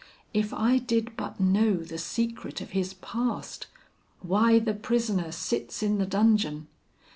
If I did but know the secret of his past; why the prisoner sits in the dungeon!